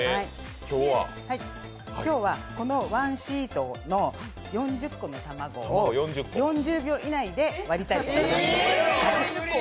今日はこの１シートの４０個の玉子を４０秒以内に割りたいと思います。